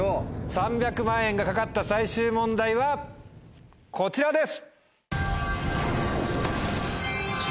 ３００万円が懸かった最終問題はこちらです！